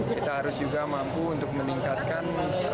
kita harus juga mampu untuk meningkatkan